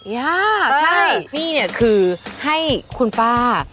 ยากใช่พี่เนี่ยคือให้คุณป้า